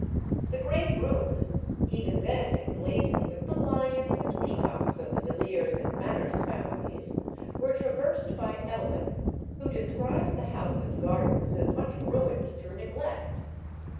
The great rooms, even then emblazoned with the lions and peacocks of the Villiers and Manners families, were traversed by Evelyn, who describes the house and gardens as much ruined through neglect.